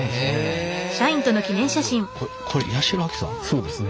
そうですね。